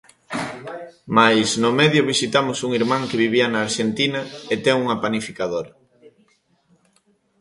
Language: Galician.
Mais, no medio visitamos un irmán que vivía na Arxentina e ten unha panificadora.